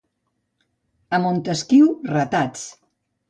A Montesquiu, ratats.